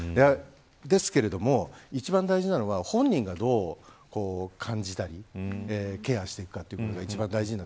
ですけれども、一番大事なのは本人がどう感じたりケアしていくかということです。